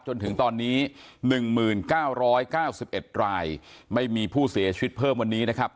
จนถึงตอนนี้๑๙๙๑รายไม่มีผู้เสียชีวิตเพิ่มวันนี้นะครับ